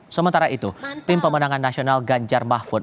sementara itu tim pemenangan nasional ganjar mahfud